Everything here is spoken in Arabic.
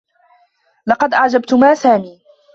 لقد أعجبتما سامي.